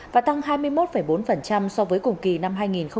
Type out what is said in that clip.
và tăng hai mươi một bốn so với cùng kỳ năm hai nghìn một mươi tám